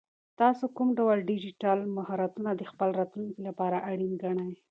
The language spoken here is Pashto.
تاسو کوم ډول ډیجیټل مهارتونه د خپل راتلونکي لپاره اړین ګڼئ؟